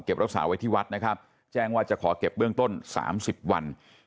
รักษาไว้ที่วัดนะครับแจ้งว่าจะขอเก็บเบื้องต้น๓๐วัน